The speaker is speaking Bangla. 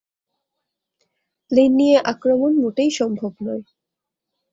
প্লেন নিয়ে আক্রমণ মোটেই সম্ভব নয়।